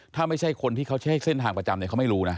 ถ้าไม่ใช่คนที่เขาใช้เส้นทางประจำเนี่ยเขาไม่รู้นะ